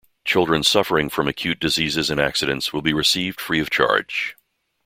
Children suffering from Acute Diseases and Accidents will be received free of charge.